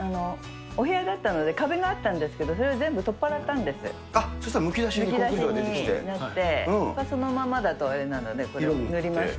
お部屋だったので、壁があったんですけど、それを全部取っ払そしたらむき出しにこういうむき出しになって、そのままだとあれなので、これを塗りました。